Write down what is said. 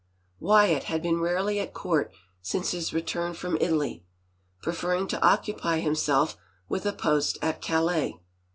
Wyatt had been rarely at court since his return from Italy, preferring to occupy himself with a post at Calais.